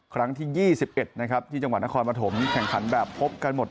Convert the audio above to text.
ครั้งที่๒๑นะครับที่จังหวัดนครปฐมแข่งขันแบบพบกันหมด